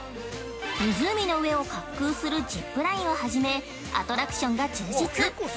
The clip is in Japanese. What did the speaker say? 湖の上を滑空するジップラインをはじめ、アトラクションが充実。